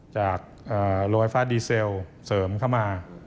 โรงไฟฟ้าดีเซลเสริมเข้ามา